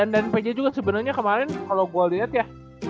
dan pj juga sebenernya kemarin kalo gue liat ya